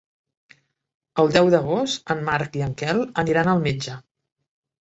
El deu d'agost en Marc i en Quel aniran al metge.